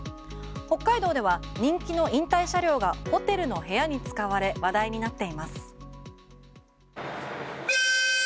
北海道では人気の引退車両がホテルの部屋に使われ話題になっています。